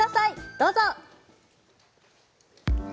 どうぞ！